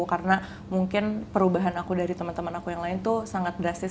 karena mungkin perubahan aku dari teman teman aku yang lain tuh sangat drastis